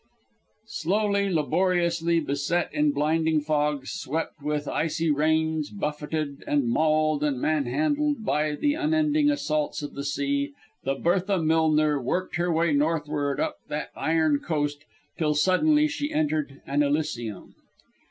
Slowly, laboriously, beset in blinding fogs, swept with, icy rains, buffeted and mauled and man handled by the unending assaults of the sea, the Bertha Millner worked her way northward up that iron coast till suddenly she entered an elysium.